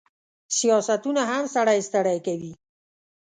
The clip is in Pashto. سیاستونه هم سړی ستړی کوي.